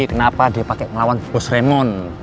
kenapa dia pakai melawan bos raymond